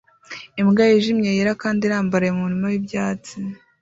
Imbwa yijimye kandi yera irambaraye mu murima wibyatsi